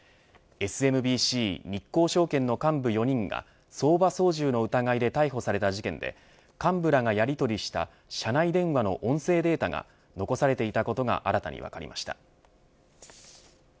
ＳＭＢＣ日興証券の幹部４人が相場操縦の疑いで逮捕された事件で幹部らがやりとりした社内電話の音声データが残されていたことが新たに分かりました。